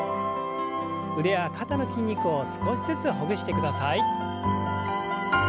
腕や肩の筋肉を少しずつほぐしてください。